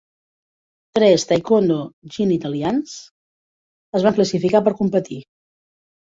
Tres taekwondo jin italians es van classificar per competir.